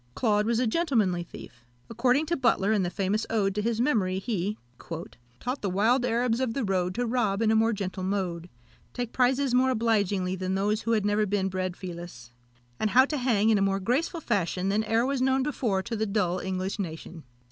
Claude was a gentlemanly thief. According to Butler, in the famous ode to his memory, he "Taught the wild Arabs of the road To rob in a more gentle mode; Take prizes more obligingly than those Who never had been bred filous; And how to hang in a more graceful fashion Than e'er was known before to the dull English nation."